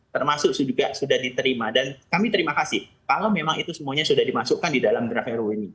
termasuk juga sudah diterima dan kami terima kasih kalau memang itu semuanya sudah dimasukkan di dalam draft ru ini